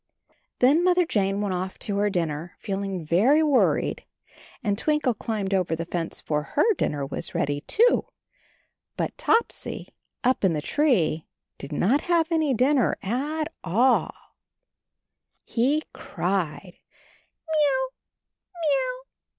Then Mother Jane went off to her dinner, feeling very worried, and Twinkle climbed over the fence, for her dinner was ready, too — but Topsy up in the tree did not have any dinner at alL He cried "M i a o u, m i a o u!"